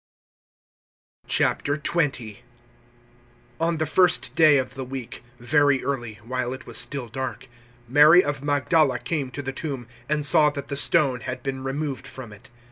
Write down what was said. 020:001 On the first day of the week, very early, while it was still dark, Mary of Magdala came to the tomb and saw that the stone had been removed from it.